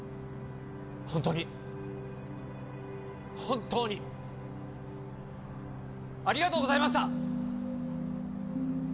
ホントに本当にありがとうございました！